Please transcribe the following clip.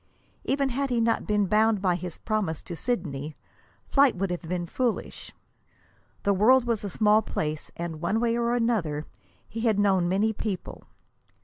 Even had he not been bound by his promise to Sidney, flight would have been foolish. The world was a small place, and, one way and another, he had known many people.